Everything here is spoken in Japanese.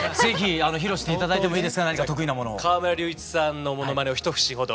河村隆一さんのものまねを一節ほど。